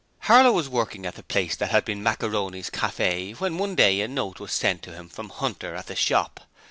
Harlow was working at the place that had been Macaroni's Cafe when one day a note was sent to him from Hunter at the shop.